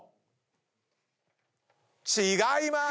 違いまーす！